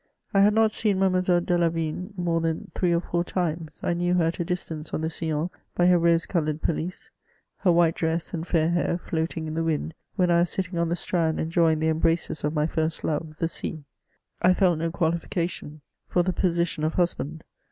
•• I had not seen Mademoiselle de Lavi^ne more than three or four times ; 1 knew her at a distance on the SiUon^ by her rose coloured pdisse, her white dress and fair hair floating in the wind^ when I was sitting on the strand enjoying the embraces of my first love, the sea. I felt no qualification for the position of husband.